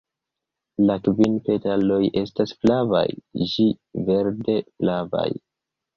La kvin petaloj estas flavaj ĝi verde-flavaj.